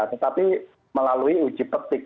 tetapi melalui uji petik